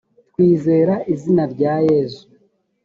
twizera izina rya yezu